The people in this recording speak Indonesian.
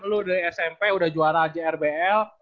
lu dari smp udah juara aja rbl